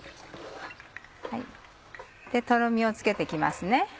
とろみをつけて行きますね。